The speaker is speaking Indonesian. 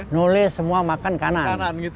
nulis semua makan kanan